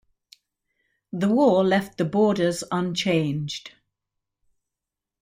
The war left the borders unchanged.